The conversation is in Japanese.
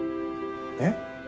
えっ？